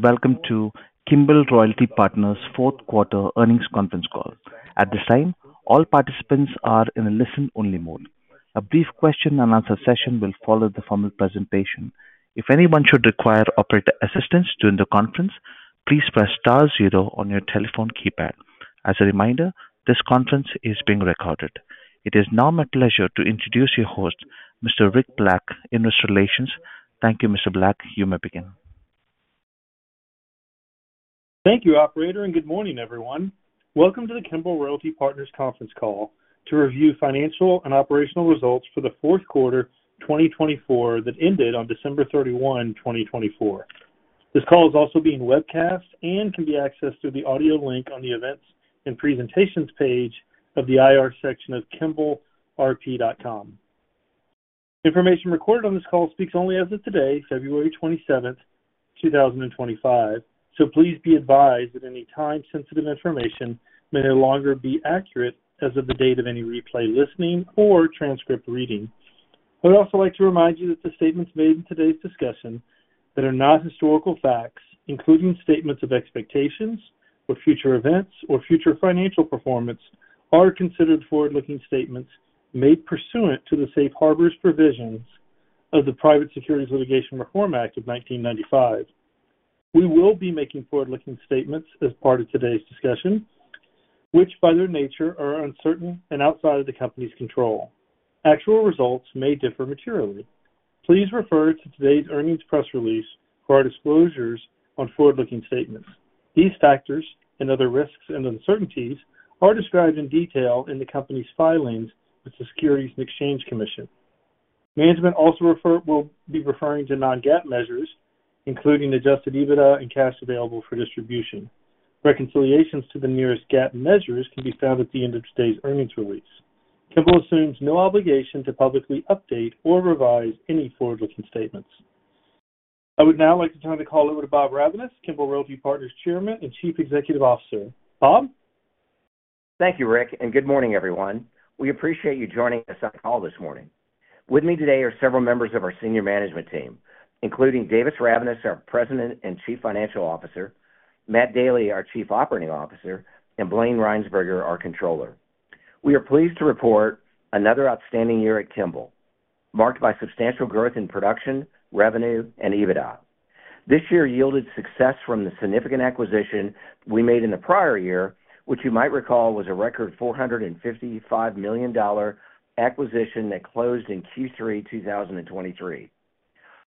Welcome to Kimbell Royalty Partners' fourth quarter earnings conference call. At this time, all participants are in a listen-only mode. A brief question-and-answer session will follow the formal presentation. If anyone should require operator assistance during the conference, please press star zero on your telephone keypad. As a reminder, this conference is being recorded. It is now my pleasure to introduce your host, Mr. Rick Black, Investor Relations. Thank you, Mr. Black. You may begin. Thank you, Operator, and good morning, everyone. Welcome to the Kimbell Royalty Partners conference call to review financial and operational results for the fourth quarter 2024 that ended on December 31, 2024. This call is also being webcast and can be accessed through the audio link on the events and presentations page of the IR section of kimbellrt.com. Information recorded on this call speaks only as of today, February 27th, 2025. So please be advised that any time-sensitive information may no longer be accurate as of the date of any replay listening or transcript reading. I would also like to remind you that the statements made in today's discussion that are not historical facts, including statements of expectations for future events or future financial performance, are considered forward-looking statements made pursuant to the safe harbor's provisions of the Private Securities Litigation Reform Act of 1995. We will be making forward-looking statements as part of today's discussion, which by their nature are uncertain and outside of the company's control. Actual results may differ materially. Please refer to today's earnings press release for our disclosures on forward-looking statements. These factors and other risks and uncertainties are described in detail in the company's filings with the Securities and Exchange Commission. Management also will be referring to Non-GAAP measures, including Adjusted EBITDA and Cash Available for Distribution. Reconciliations to the nearest GAAP measures can be found at the end of today's earnings release. Kimbell assumes no obligation to publicly update or revise any forward-looking statements. I would now like to turn the call over to Bob Ravnaas, Kimbell Royalty Partners Chairman and Chief Executive Officer. Bob? Thank you, Rick, and good morning, everyone. We appreciate you joining us on call this morning. With me today are several members of our senior management team, including Davis Ravnaas, our President and Chief Financial Officer, Matt Daly, our Chief Operating Officer, and Blayne Rhynsburger, our Controller. We are pleased to report another outstanding year at Kimbell, marked by substantial growth in production, revenue, and EBITDA. This year yielded success from the significant acquisition we made in the prior year, which you might recall was a record $455 million acquisition that closed in Q3 2023.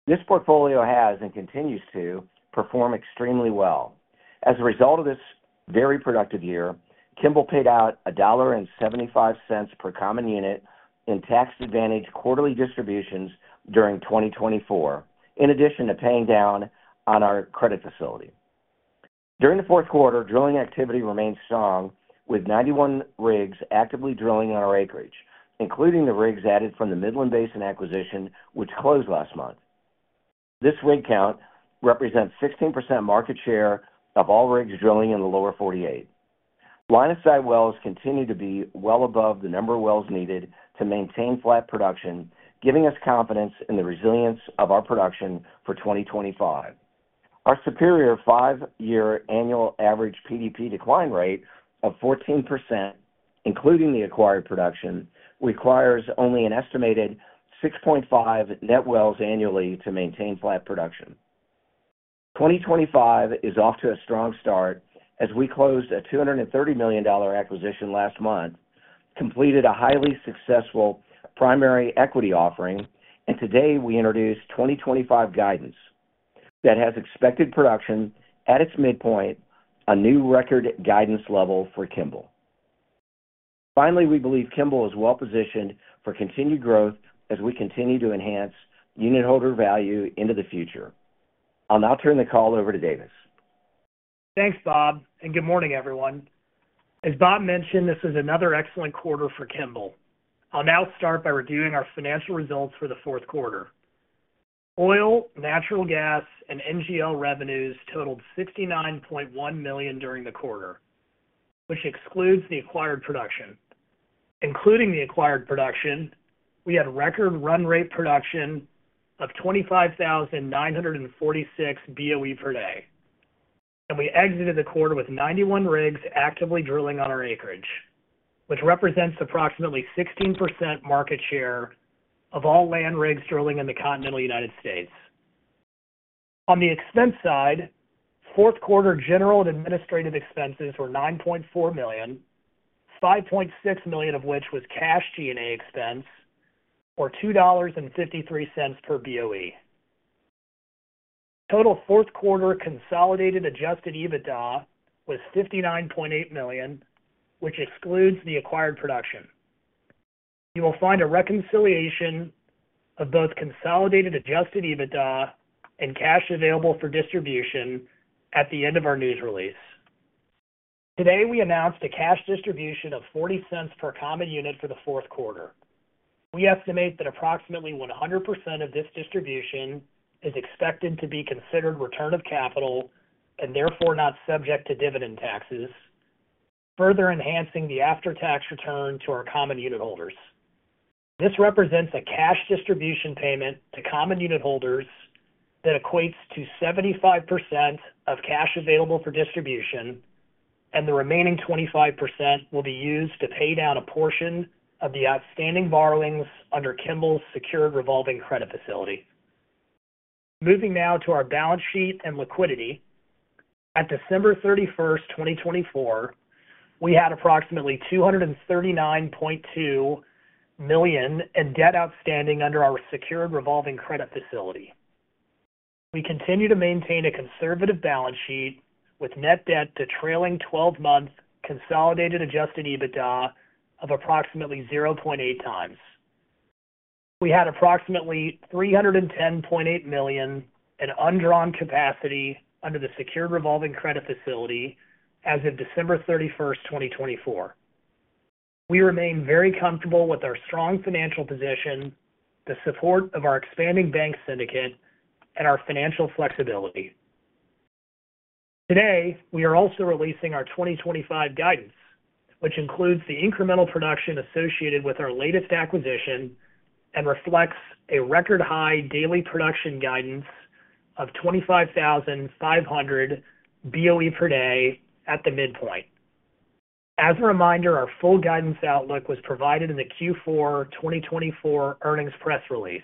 This portfolio has and continues to perform extremely well. As a result of this very productive year, Kimbell paid out $1.75 per common unit in tax-advantaged quarterly distributions during 2024, in addition to paying down on our credit facility. During the fourth quarter, drilling activity remained strong, with 91 rigs actively drilling on our acreage, including the rigs added from the Midland Basin acquisition, which closed last month. This rig count represents 16% market share of all rigs drilling in the Lower 48. Line of sight wells continue to be well above the number of wells needed to maintain flat production, giving us confidence in the resilience of our production for 2025. Our superior five-year annual average PDP decline rate of 14%, including the acquired production, requires only an estimated 6.5 net wells annually to maintain flat production. 2025 is off to a strong start as we closed a $230 million acquisition last month, completed a highly successful primary equity offering, and today we introduced 2025 guidance that has expected production at its midpoint, a new record guidance level for Kimbell. Finally, we believe Kimbell is well positioned for continued growth as we continue to enhance unit holder value into the future. I'll now turn the call over to Davis. Thanks, Bob, and good morning, everyone. As Bob mentioned, this is another excellent quarter for Kimbell. I'll now start by reviewing our financial results for the fourth quarter. Oil, natural gas, and NGL revenues totaled $69.1 million during the quarter, which excludes the acquired production. Including the acquired production, we had record run rate production of 25,946 BOE per day, and we exited the quarter with 91 rigs actively drilling on our acreage, which represents approximately 16% market share of all land rigs drilling in the continental United States. On the expense side, fourth quarter general and administrative expenses were $9.4 million, $5.6 million of which was cash G&A expense, or $2.53 per BOE. Total fourth quarter consolidated adjusted EBITDA was $59.8 million, which excludes the acquired production. You will find a reconciliation of both consolidated adjusted EBITDA and cash available for distribution at the end of our news release. Today, we announced a cash distribution of $0.40 per common unit for the fourth quarter. We estimate that approximately 100% of this distribution is expected to be considered return of capital and therefore not subject to dividend taxes, further enhancing the after-tax return to our common unit holders. This represents a cash distribution payment to common unit holders that equates to 75% of cash available for distribution, and the remaining 25% will be used to pay down a portion of the outstanding borrowings under Kimbell's secured revolving credit facility. Moving now to our balance sheet and liquidity. At December 31st, 2024, we had approximately $239.2 million in debt outstanding under our secured revolving credit facility. We continue to maintain a conservative balance sheet with net debt to trailing 12-month consolidated adjusted EBITDA of approximately 0.8 times. We had approximately $310.8 million in undrawn capacity under the secured revolving credit facility as of December 31st, 2024. We remain very comfortable with our strong financial position, the support of our expanding bank syndicate, and our financial flexibility. Today, we are also releasing our 2025 guidance, which includes the incremental production associated with our latest acquisition and reflects a record high daily production guidance of 25,500 BOE per day at the midpoint. As a reminder, our full guidance outlook was provided in the Q4 2024 earnings press release.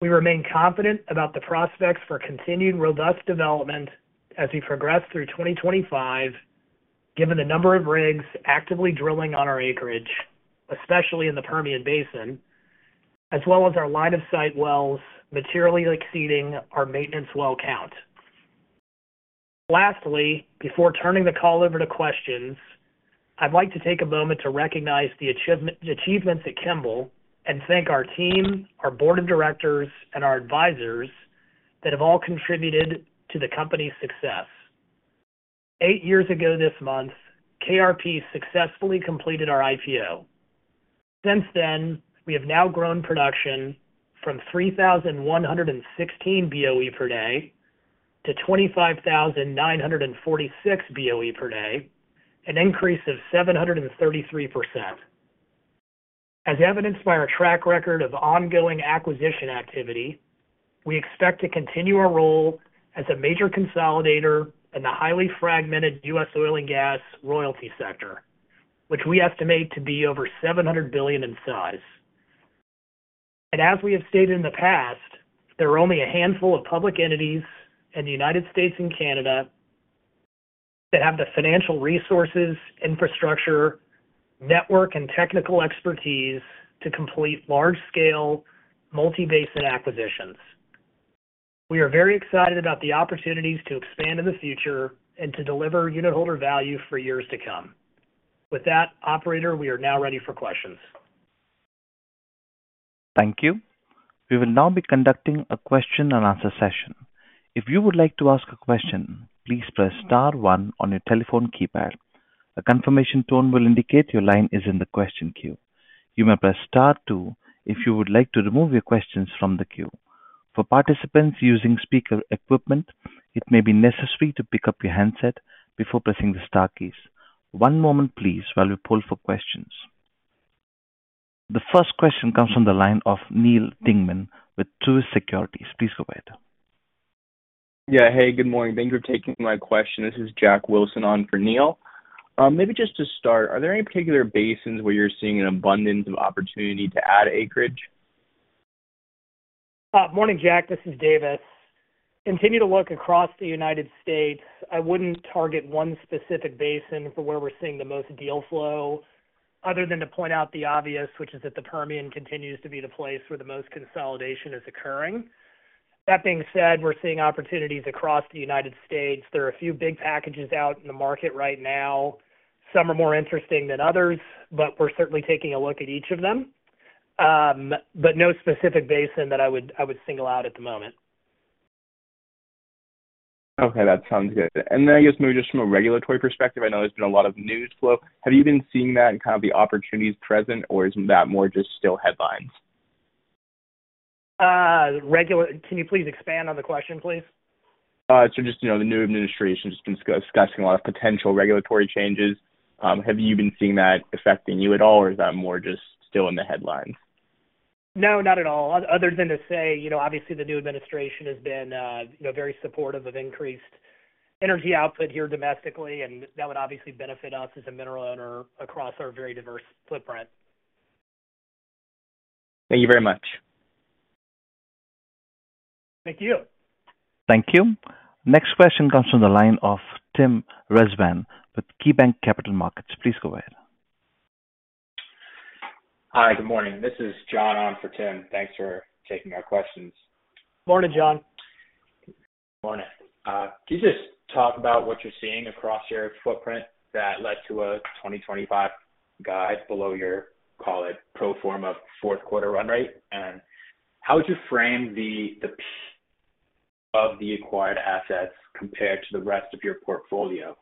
We remain confident about the prospects for continued robust development as we progress through 2025, given the number of rigs actively drilling on our acreage, especially in the Permian Basin, as well as our line of sight wells materially exceeding our maintenance well count. Lastly, before turning the call over to questions, I'd like to take a moment to recognize the achievements at Kimbell and thank our team, our board of directors, and our advisors that have all contributed to the company's success. Eight years ago this month, KRP successfully completed our IPO. Since then, we have now grown production from 3,116 BOE per day to 25,946 BOE per day, an increase of 733%. As evidenced by our track record of ongoing acquisition activity, we expect to continue our role as a major consolidator in the highly fragmented U.S. oil and gas royalty sector, which we estimate to be over $700 billion in size, and as we have stated in the past, there are only a handful of public entities in the United States and Canada that have the financial resources, infrastructure, network, and technical expertise to complete large-scale multibasin acquisitions. We are very excited about the opportunities to expand in the future and to deliver unit holder value for years to come. With that, Operator, we are now ready for questions. Thank you. We will now be conducting a question-and-answer session. If you would like to ask a question, please press star one on your telephone keypad. A confirmation tone will indicate your line is in the question queue. You may press star two if you would like to remove your questions from the queue. For participants using speaker equipment, it may be necessary to pick up your handset before pressing the star keys. One moment, please, while we pull for questions. The first question comes from the line of Neal Dingmann with Truist Securities. Please go ahead. Yeah. Hey, good morning. Thank you for taking my question. This is Jack Wilson on for Neal. Maybe just to start, are there any particular basins where you're seeing an abundance of opportunity to add acreage? Morning, Jack. This is Davis. Continue to look across the United States. I wouldn't target one specific basin for where we're seeing the most deal flow, other than to point out the obvious, which is that the Permian continues to be the place where the most consolidation is occurring. That being said, we're seeing opportunities across the United States. There are a few big packages out in the market right now. Some are more interesting than others, but we're certainly taking a look at each of them. But no specific basin that I would single out at the moment. Okay. That sounds good. And then I guess maybe just from a regulatory perspective, I know there's been a lot of news flow. Have you been seeing that in kind of the opportunities present, or is that more just still headlines? Can you please expand on the question, please? So just the new administration has been discussing a lot of potential regulatory changes. Have you been seeing that affecting you at all, or is that more just still in the headlines? No, not at all. Other than to say, obviously, the new administration has been very supportive of increased energy output here domestically, and that would obviously benefit us as a mineral owner across our very diverse footprint. Thank you very much. Thank you. Thank you. Next question comes from the line of Tim Rezvan with KeyBanc Capital Markets. Please go ahead. Hi, good morning. This is John on for Tim. Thanks for taking our questions. Morning, John. Morning. Could you just talk about what you're seeing across your footprint that led to a 2025 guide below your, call it, pro forma fourth quarter run rate? And how would you frame the productivity of the acquired assets compared to the rest of your portfolio?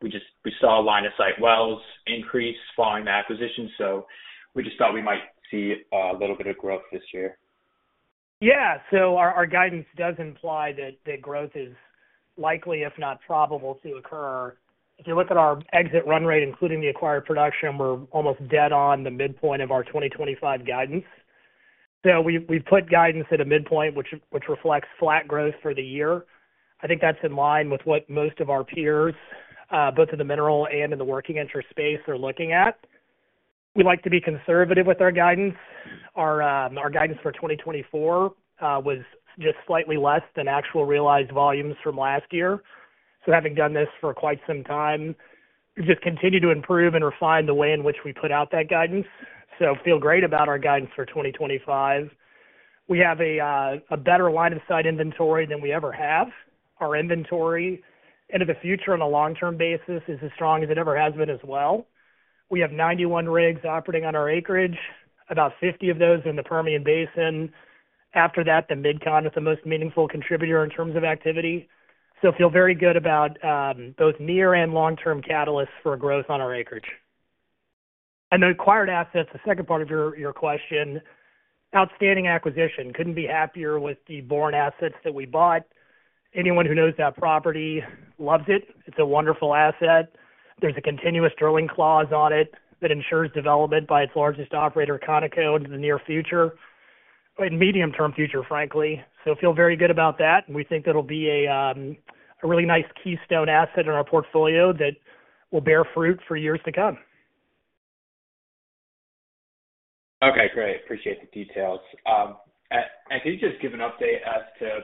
We saw line of sight wells increase following the acquisition, so we just thought we might see a little bit of growth this year. Yeah. So our guidance does imply that growth is likely, if not probable, to occur. If you look at our exit run rate, including the acquired production, we're almost dead on the midpoint of our 2025 guidance. So we've put guidance at a midpoint, which reflects flat growth for the year. I think that's in line with what most of our peers, both in the mineral and in the working interest space, are looking at. We like to be conservative with our guidance. Our guidance for 2024 was just slightly less than actual realized volumes from last year. So having done this for quite some time, we've just continued to improve and refine the way in which we put out that guidance. So feel great about our guidance for 2025. We have a better line of sight inventory than we ever have. Our inventory into the future on a long-term basis is as strong as it ever has been as well. We have 91 rigs operating on our acreage, about 50 of those in the Permian Basin. After that, the Mid-Con is the most meaningful contributor in terms of activity. We feel very good about both near- and long-term catalysts for growth on our acreage. The acquired assets, the second part of your question, outstanding acquisition. Could not be happier with the Borden assets that we bought. Anyone who knows that property loves it. It is a wonderful asset. There is a continuous drilling clause on it that ensures development by its largest operator, ConocoPhillips, in the near future, in medium-term future, frankly. We feel very good about that. We think that will be a really nice keystone asset in our portfolio that will bear fruit for years to come. Okay. Great. Appreciate the details. And could you just give an update as to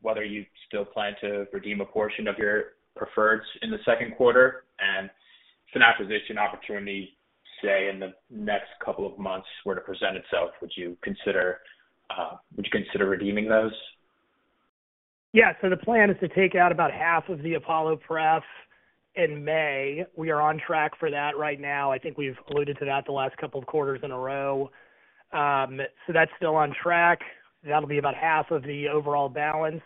whether you still plan to redeem a portion of your preferreds in the second quarter? And if an acquisition opportunity, say, in the next couple of months were to present itself, would you consider redeeming those? Yeah. So the plan is to take out about half of the Apollo Pref in May. We are on track for that right now. I think we've alluded to that the last couple of quarters in a row. So that's still on track. That'll be about half of the overall balance.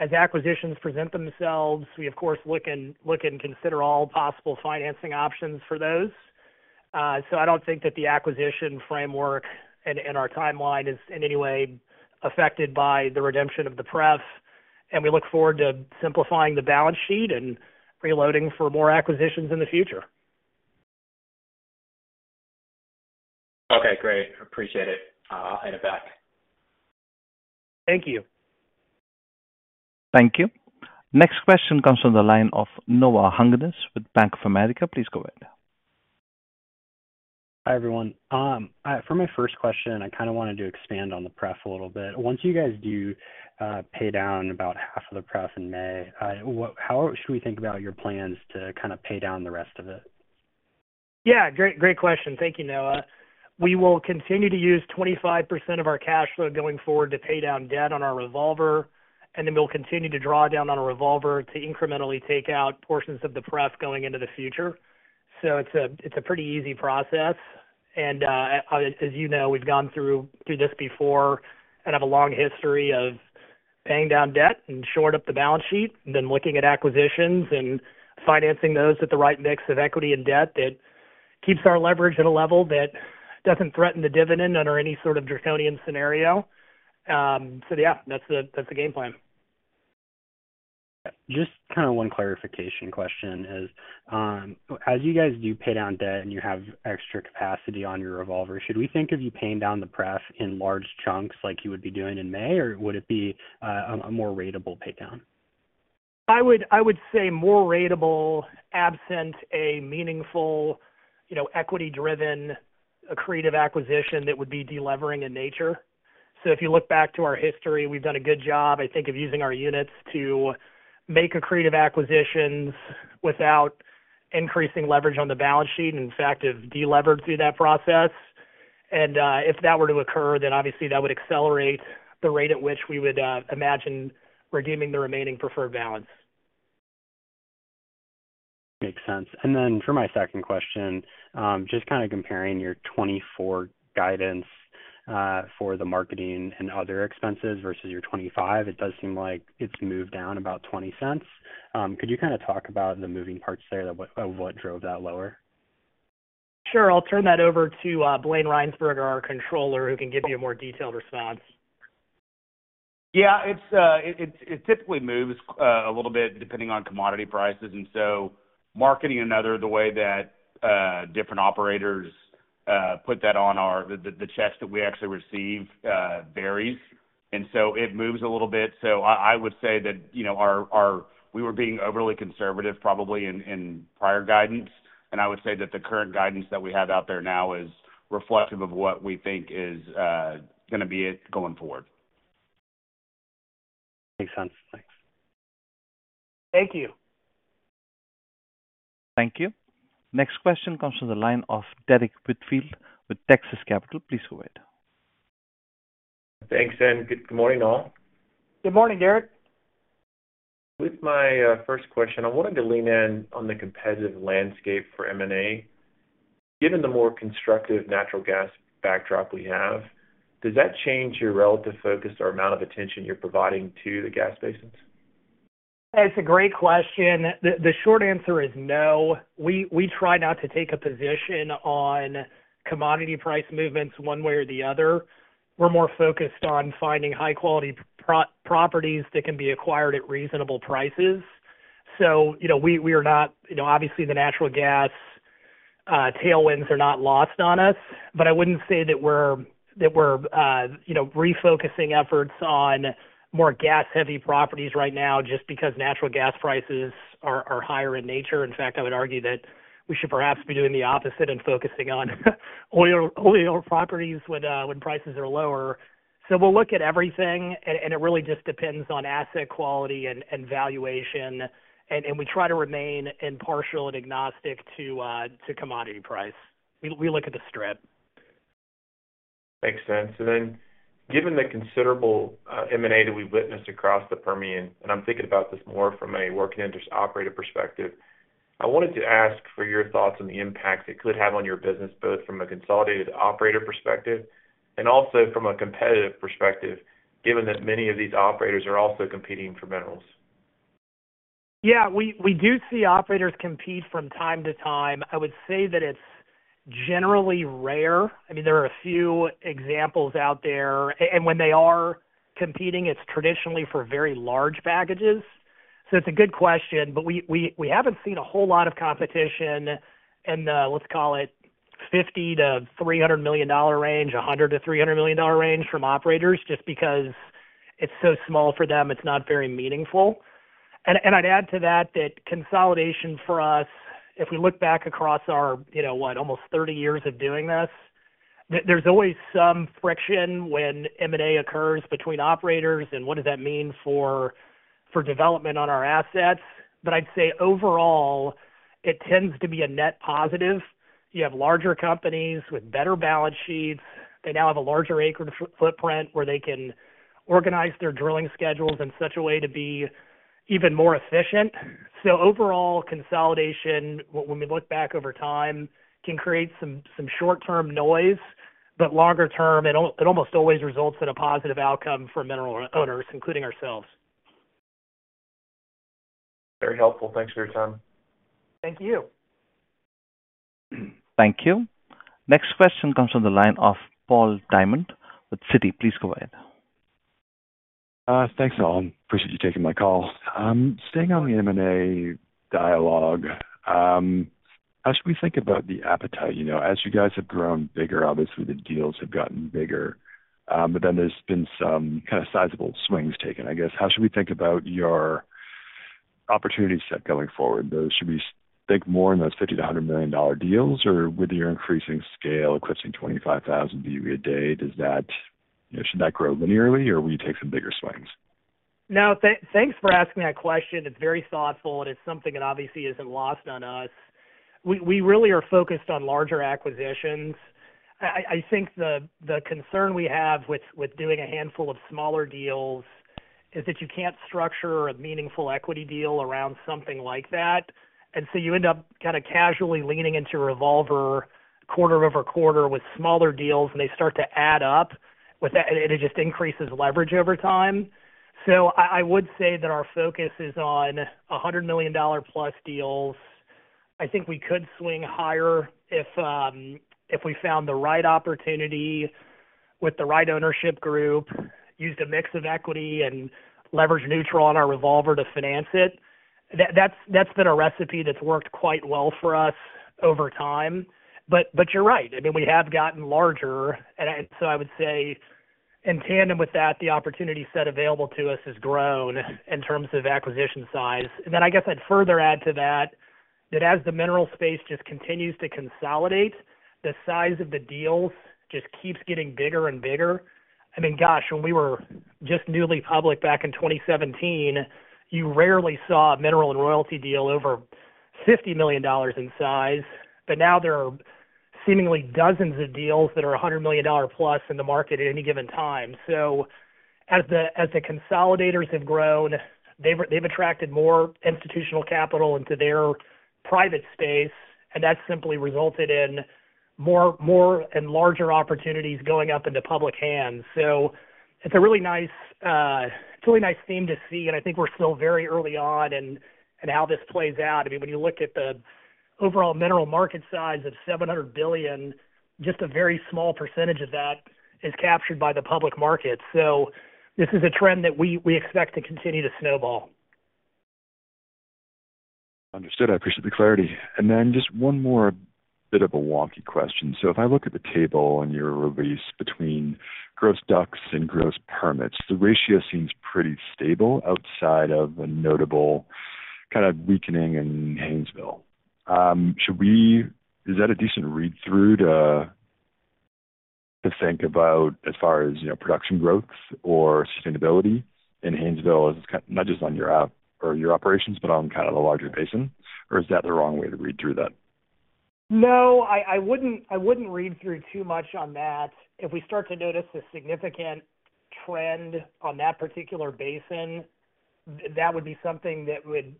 As acquisitions present themselves, we, of course, look and consider all possible financing options for those. So I don't think that the acquisition framework and our timeline is in any way affected by the redemption of the Pref. And we look forward to simplifying the balance sheet and preloading for more acquisitions in the future. Okay. Great. Appreciate it. I'll hand it back. Thank you. Thank you. Next question comes from the line of Noah Hungness with Bank of America. Please go ahead. Hi, everyone. For my first question, I kind of wanted to expand on the Pref a little bit. Once you guys do pay down about half of the Pref in May, how should we think about your plans to kind of pay down the rest of it? Yeah. Great question. Thank you, Noah. We will continue to use 25% of our cash flow going forward to pay down debt on our revolver, and then we'll continue to draw down on a revolver to incrementally take out portions of the Pref going into the future. So it's a pretty easy process. And as you know, we've gone through this before and have a long history of paying down debt and shore up the balance sheet, then looking at acquisitions and financing those at the right mix of equity and debt that keeps our leverage at a level that doesn't threaten the dividend under any sort of draconian scenario. So yeah, that's the game plan. Just kind of one clarification question is, as you guys do pay down debt and you have extra capacity on your revolver, should we think of you paying down the Pref in large chunks like you would be doing in May, or would it be a more ratable paydown? I would say more ratable absent a meaningful equity-driven accretive acquisition that would be delevering in nature. So if you look back to our history, we've done a good job, I think, of using our units to make accretive acquisitions without increasing leverage on the balance sheet and, in fact, have delevered through that process. And if that were to occur, then obviously that would accelerate the rate at which we would imagine redeeming the remaining preferred balance. Makes sense. And then for my second question, just kind of comparing your 2024 guidance for the marketing and other expenses versus your 2025, it does seem like it's moved down about $0.20. Could you kind of talk about the moving parts there of what drove that lower? Sure. I'll turn that over to Blayne Rhynsburger, our controller, who can give you a more detailed response. Yeah. It typically moves a little bit depending on commodity prices. And so, marketing and other, the way that different operators put that on the checks that we actually receive varies. And so it moves a little bit. So I would say that we were being overly conservative probably in prior guidance. And I would say that the current guidance that we have out there now is reflective of what we think is going to be going forward. Makes sense. Thanks. Thank you. Thank you. Next question comes from the line of Derrick Whitfield with Texas Capital. Please go ahead. Thanks, Sam. Good morning, Noah. Good morning, Derrick. With my first question, I wanted to lean in on the competitive landscape for M&A. Given the more constructive natural gas backdrop we have, does that change your relative focus or amount of attention you're providing to the gas basins? That's a great question. The short answer is no. We try not to take a position on commodity price movements one way or the other. We're more focused on finding high-quality properties that can be acquired at reasonable prices. So we are not obviously the natural gas tailwinds are not lost on us, but I wouldn't say that we're refocusing efforts on more gas-heavy properties right now just because natural gas prices are higher in nature. In fact, I would argue that we should perhaps be doing the opposite and focusing on oil properties when prices are lower. So we'll look at everything, and it really just depends on asset quality and valuation. And we try to remain impartial and agnostic to commodity price. We look at the strip. Makes sense. And then given the considerable M&A that we've witnessed across the Permian, and I'm thinking about this more from a working interest operator perspective, I wanted to ask for your thoughts on the impact it could have on your business, both from a consolidated operator perspective and also from a competitive perspective, given that many of these operators are also competing for minerals. Yeah. We do see operators compete from time to time. I would say that it's generally rare. I mean, there are a few examples out there. And when they are competing, it's traditionally for very large packages. So it's a good question, but we haven't seen a whole lot of competition in the, let's call it, $50 million-$300 million range, $100 million-$300 million range from operators just because it's so small for them. It's not very meaningful. And I'd add to that that consolidation for us, if we look back across our, what, almost 30 years of doing this, there's always some friction when M&A occurs between operators, and what does that mean for development on our assets? But I'd say overall, it tends to be a net positive. You have larger companies with better balance sheets. They now have a larger acreage footprint where they can organize their drilling schedules in such a way to be even more efficient. So overall, consolidation, when we look back over time, can create some short-term noise, but longer term, it almost always results in a positive outcome for mineral owners, including ourselves. Very helpful. Thanks for your time. Thank you. Thank you. Next question comes from the line of Paul Diamond with Citi. Please go ahead. Thanks, Noah. Appreciate you taking my call. Staying on the M&A dialogue, how should we think about the appetite? As you guys have grown bigger, obviously, the deals have gotten bigger. But then there's been some kind of sizable swings taken, I guess. How should we think about your opportunity set going forward? Should we think more in those $50 million-$100 million deals, or with your increasing scale, eclipsing 25,000 BOE a day, should that grow linearly, or will you take some bigger swings? No. Thanks for asking that question. It's very thoughtful, and it's something that obviously isn't lost on us. We really are focused on larger acquisitions. I think the concern we have with doing a handful of smaller deals is that you can't structure a meaningful equity deal around something like that. And so you end up kind of casually leaning into a revolver quarter over quarter with smaller deals, and they start to add up, and it just increases leverage over time. So I would say that our focus is on $100 million+ deals. I think we could swing higher if we found the right opportunity with the right ownership group, used a mix of equity, and leverage neutral on our revolver to finance it. That's been a recipe that's worked quite well for us over time. But you're right. I mean, we have gotten larger. And so I would say, in tandem with that, the opportunity set available to us has grown in terms of acquisition size. And then I guess I'd further add to that that as the mineral space just continues to consolidate, the size of the deals just keeps getting bigger and bigger. I mean, gosh, when we were just newly public back in 2017, you rarely saw a mineral and royalty deal over $50 million in size. But now there are seemingly dozens of deals that are $100 million+ in the market at any given time. So as the consolidators have grown, they've attracted more institutional capital into their private space, and that's simply resulted in more and larger opportunities going up into public hands. So it's a really nice theme to see, and I think we're still very early on in how this plays out. I mean, when you look at the overall mineral market size of $700 billion, just a very small percentage of that is captured by the public market. So this is a trend that we expect to continue to snowball. Understood. I appreciate the clarity. And then just one more bit of a wonky question. So if I look at the table on your release between gross DUCs and gross permits, the ratio seems pretty stable outside of a notable kind of weakening in Haynesville. Is that a decent read-through to think about as far as production growth or sustainability in Haynesville, not just on your operations, but on kind of the larger basin? Or is that the wrong way to read through that? No. I wouldn't read through too much on that. If we start to notice a significant trend on that particular basin, that would be something that would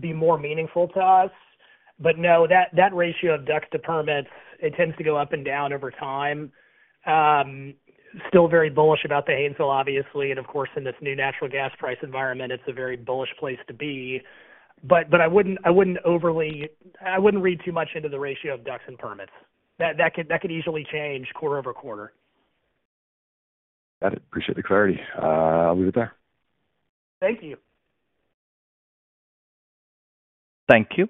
be more meaningful to us. No, that ratio of DUCs to permits, it tends to go up and down over time. Still very bullish about the Haynesville, obviously. Of course, in this new natural gas price environment, it's a very bullish place to be. I wouldn't read too much into the ratio of DUCs and permits. That could easily change quarter-over-quarter. Got it. Appreciate the clarity. I'll leave it there. Thank you. Thank you.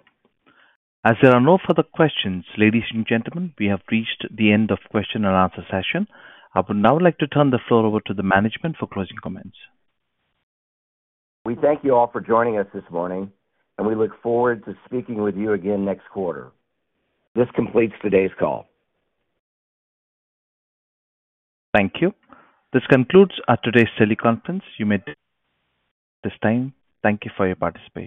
As there are no further questions, ladies and gentlemen, we have reached the end of the question and answer session. I would now like to turn the floor over to the management for closing comments. We thank you all for joining us this morning, and we look forward to speaking with you again next quarter. This completes today's call. Thank you. This concludes today's teleconference. You may disconnect at this time. Thank you for your participation.